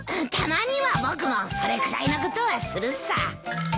たまには僕もそれくらいのことはするさ。